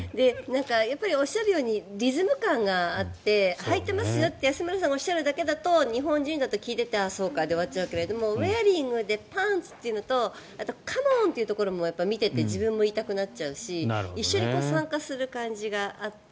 おっしゃるようにリズム感があって「はいてますよ」って安村さんがおっしゃるけど日本人だと聞いていてあ、そうかで終わっちゃうけどウェアリングパンツって言うのとあとカモン！って言うのもやっぱり見ていて自分も言いたくなっちゃうし一緒に参加する感じがあって。